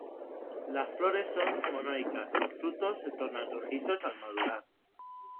Las flores son monoicas, los frutos se tornan rojizos al madurar.